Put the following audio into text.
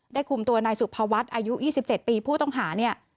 คุมตัวนายสุภวัฒน์อายุ๒๗ปีผู้ต้องหาเนี่ย